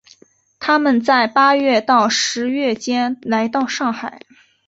他们在八月到十月间来到上海。